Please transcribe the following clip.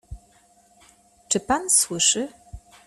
Czy pan słyszy…?